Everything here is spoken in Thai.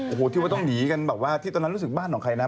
โอ้โหที่ว่าต้องหนีกันแบบว่าที่ตอนนั้นรู้สึกบ้านของใครนะ